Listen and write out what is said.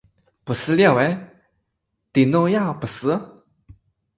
不是两个？大脑不也是？